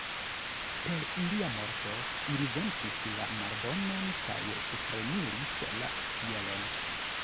Per ilia morto ili venkis la malbonon kaj supreniris la ĉielon.